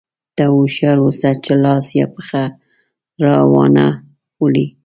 ته هوښیار اوسه چې لاس یا پښه را وانه وړې.